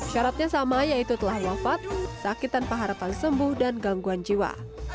syaratnya sama yaitu telah wafat sakit tanpa harapan sembuh dan gangguan jiwa